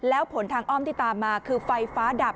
แล้วผลทางอ้อมที่ตามมาคือไฟฟ้าดับ